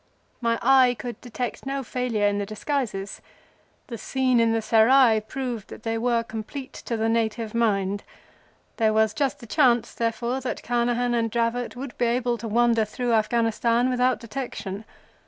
My eye could detect no failure in the disguises. The scene in the Serai attested that they were complete to the native mind. There was just the chance, therefore, that Carnehan and Dravot would be able to wander through Afghanistan without detection.